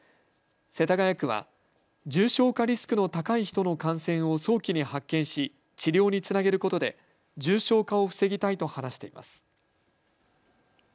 世田谷区は重症化リスクの高い人の感染を早期に発見し治療につなげることで重症化を防ぎたいと話しています。